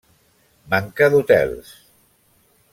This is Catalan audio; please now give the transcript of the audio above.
Manca d’hotels.